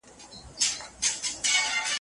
ځوان ګوربت له خپلې ځالې راالوتی